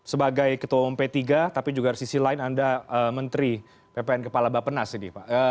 sebagai ketua umum p tiga tapi juga sisi lain anda menteri ppn kepala bapenas ini pak